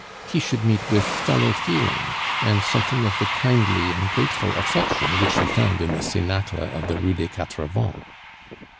He should meet with fellow feeling, and something of the kindly and grateful affection which he found in the cenacle of the Rue des Quatre Vents.